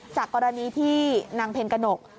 จากกรณีที่นางเพ็ญกระหนก